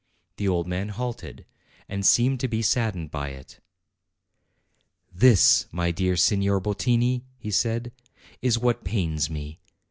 The old man halted, and seemed to be sad dened by it. "This, my dear Signor Bottini," he said, "is what pains me.